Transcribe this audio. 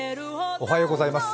おはようございます。